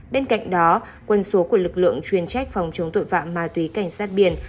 bên cạnh đó quân số của lực lượng chuyên trách phòng chống tội phạm ma túy cảnh sát biển